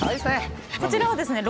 こちらはですね